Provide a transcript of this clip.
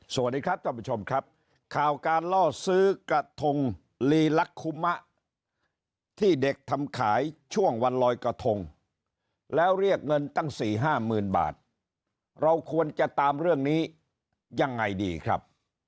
สวัสดีครับท่านผู้ชมครับข่าวการล่อซื้อกระทงลีลักคุมะที่เด็กทำขายช่วงวันลอยกระทงแล้วเรียกเงินตั้งสี่ห้าหมื่นบาทเราควรจะตามเรื่องนี้ยังไงดีครับ